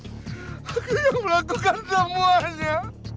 aku yang melakukan semuanya